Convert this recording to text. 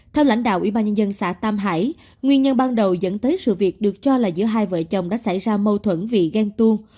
theo lãnh đạo ủy ban nhân dân xã tam hải nguyên nhân ban đầu dẫn tới sự việc được cho là giữa hai vợ chồng đã xảy ra mâu thuẫn vì ghen tuông